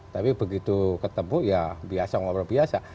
tapi begitu ketemu ya biasa ngobrol biasa